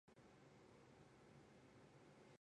不过莱纳并非单纯的复写眼持有者所以是例外。